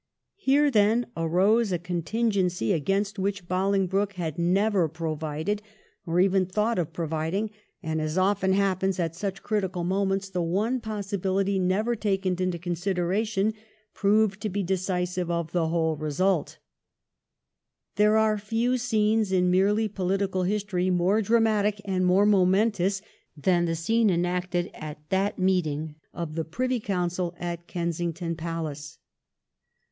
Here then arose a contingency against which Boling 1714 AN UNEXPECTED ENTRANCE. 357 broke had never provided, or even thought of providing ; and as often happens at such critical moments, the one possibility never taken into consideration proved to be decisive of the whole result. There are few scenes in merely political history more dramatic and more momentous than the scene enacted at that meeting of the Privy Council at Kensington Palace.